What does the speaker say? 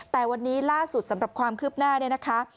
แต่วันนี้ล่าสุดสำหรับความคืบหน้า